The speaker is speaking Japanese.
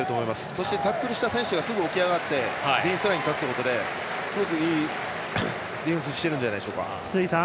そして、タックルした選手がすぐ起き上がってディフェンスラインに立つということで、すごくいいディフェンスしてるんじゃないですか。